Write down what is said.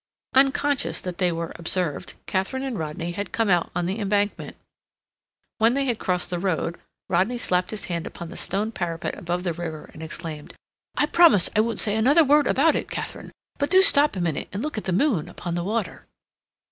Unconscious that they were observed, Katharine and Rodney had come out on the Embankment. When they had crossed the road, Rodney slapped his hand upon the stone parapet above the river and exclaimed: "I promise I won't say another word about it, Katharine! But do stop a minute and look at the moon upon the water."